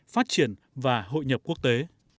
phát triển và hội nhập quốc tế